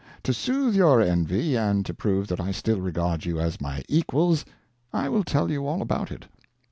To soothe your envy and to prove that I still regard you as my equals, I will tell you all about it.